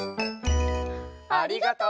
ありがとう。